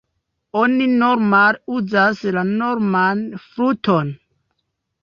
Oni normale uzas la norman fluton.